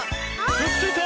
くっついた！